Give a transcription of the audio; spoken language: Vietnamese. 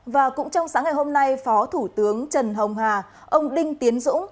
và cũng trong sáng ngày hôm nay phó thủ tướng trần hồng hà ông đinh tiến dũng